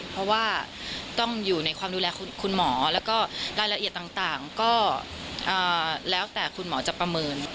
เพราะว่าต้องอยู่ในความดูแลคุณหมอแล้วก็รายละเอียดต่างก็แล้วแต่คุณหมอจะประเมิน